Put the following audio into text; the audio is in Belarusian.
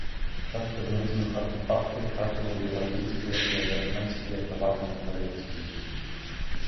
Частка знойдзеных артэфактаў трапіла ў еўрапейскія і амерыканскія прыватныя калекцыі.